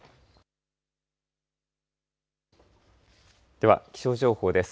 では気象情報です。